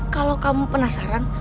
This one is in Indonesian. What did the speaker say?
kalau kamu penasaran